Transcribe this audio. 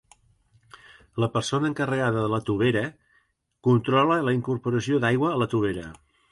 La persona encarregada de la tovera controla la incorporació d'aigua a la tovera.